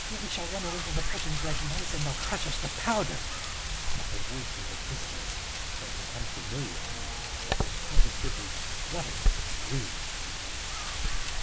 "We shall run away from the Prussians like mice, they'll crush us to powder!" cried a voice in the distance that was unfamiliar to me, that was positively spluttering with glee.